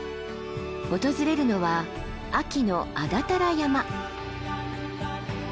訪れるのは秋の安達太良山。